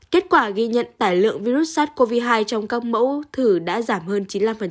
kết quả ghi nhận tải lượng virus sars cov hai trong các mẫu thử đã giảm hơn chín mươi năm